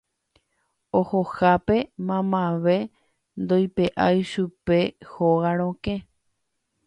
Ohohápe mavave ndoipe'ái chupe hóga rokẽ.